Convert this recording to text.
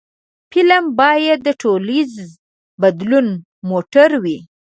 فلم باید د ټولنیز بدلون موټر وي